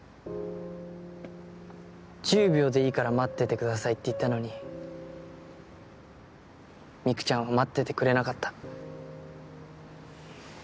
１０秒でいいから待っててくださいって言ったのにミクちゃんは待っててくれなかった。